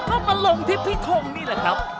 ก็มาลงที่พี่ทงนี่แหละครับ